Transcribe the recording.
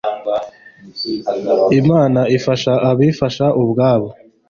Imana ifasha abifasha ubwabo